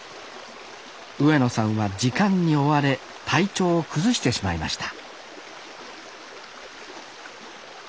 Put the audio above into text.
上野さんは時間に追われ体調を崩してしまいました